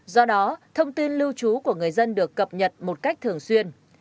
do đó thông tin lưu trú của người dân được cập nhật một cách thường xuyên